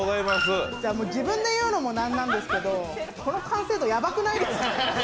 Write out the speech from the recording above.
自分で言うのもなんなんですけどこの完成度、やばくないですか？